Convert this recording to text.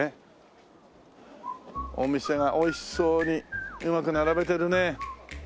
お店が美味しそうにうまく並べてるねえ。